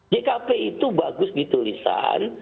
jkp itu bagus ditulisan